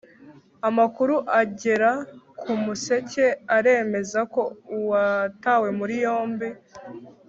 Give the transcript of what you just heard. amakuru agera k’umuseke aremeza ko uwatawe muri yombi